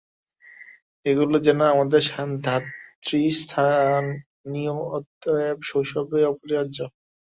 এগুলি যেন আমাদের ধাত্রীস্থানীয়, অতএব শৈশবে অপরিহার্য।